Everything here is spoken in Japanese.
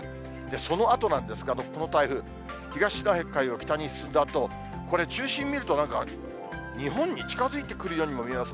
そのあとなんですが、この台風、東シナ海を北に進んだあと、これ、中心見ると、なんか日本に近づいてくるようにも見えます。